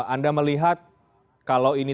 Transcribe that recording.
anda melihat kalau ini